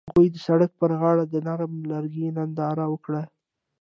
هغوی د سړک پر غاړه د نرم لرګی ننداره وکړه.